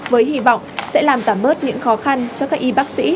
với hy vọng sẽ làm giảm bớt những khó khăn cho các y bác sĩ